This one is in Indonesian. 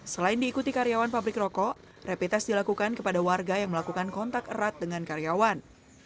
selain diikuti karyawan pabrik rokok rapid test dilakukan kepada warga yang melakukan kontak erat dengan karyawan